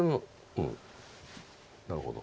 うんなるほど。